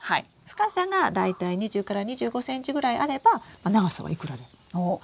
深さが大体２０２５ｃｍぐらいあれば長さはいくらでも。おっ。